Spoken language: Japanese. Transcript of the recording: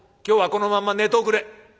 今日はこのまんま寝ておくれ。